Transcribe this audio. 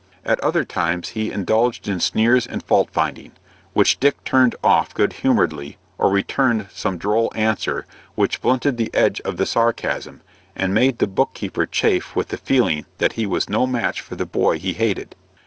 At other times he indulged in sneers and fault finding, which Dick turned off good humoredly, or returned some droll answer, which blunted the edge of the sarcasm, and made the book keeper chafe with the feeling that he was no match for the boy he hated.